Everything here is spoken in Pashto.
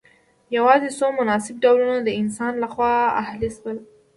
یوازې څو مناسب ډولونه د انسان لخوا اهلي شول.